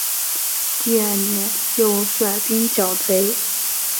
第二年又率兵剿贼。